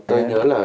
tôi nhớ là